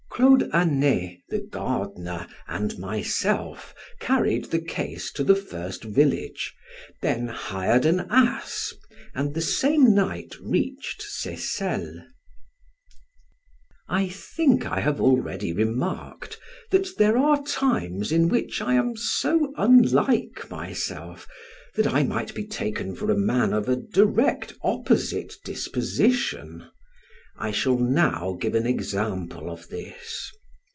Claude Anet, the gardiner, and myself, carried the case to the first village, then hired an ass, and the same night reached Seyssel. I think I have already remarked that there are times in which I am so unlike myself that I might be taken for a man of a direct opposite disposition; I shall now give an example of this.